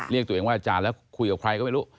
เรียกตัวเองว่าอาจารย์แล้วคุยกับใครก็ไม่รู้